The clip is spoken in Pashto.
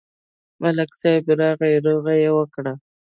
ملک صاحب راغی، روغه یې وکړه.